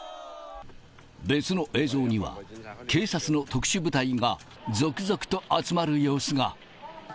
別の映像には、警察の特殊部隊が続々と集まる様子が。